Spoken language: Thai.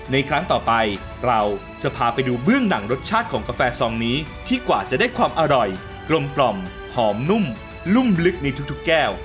ครั้งต่อไปเราจะพาไปดูเบื้องหนังรสชาติของกาแฟซองนี้ที่กว่าจะได้ความอร่อยกลมหอมนุ่มนุ่มลึกในทุกแก้ว